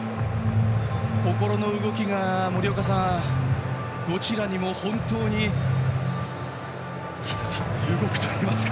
心の動きが森岡さん、どちらにも本当に動くといいますか。